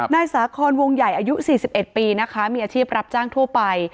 นายสาคอนวงใหญ่อายุ๔๑ปีนะคะมีอาชีพรับจ้างทั่วไป